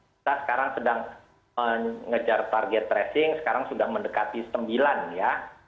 kita sekarang sedang mengejar target tracing sekarang sudah mendekati sembilan ya